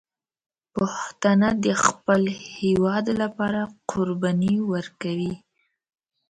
پښتانه د خپل هېواد لپاره قرباني ورکوي.